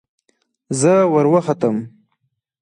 زه وروختم.